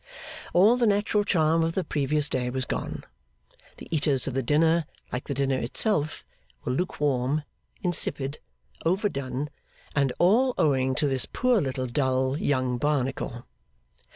All the natural charm of the previous day was gone. The eaters of the dinner, like the dinner itself, were lukewarm, insipid, overdone and all owing to this poor little dull Young Barnacle.